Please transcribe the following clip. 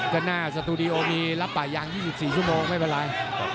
ก็หน้าสตูดิโอมีรับป่ายาง๒๔ชั่วโมงไม่เป็นไร